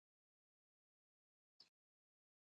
دا د ځمکې یواځې دوه سلنه برخه جوړوي.